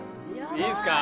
いいっすか？